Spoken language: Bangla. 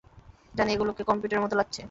জানি, এগুলোকে কম্পিউটারের মতো লাগছে!